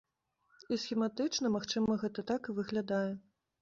І схематычна, магчыма, гэта так і выглядае.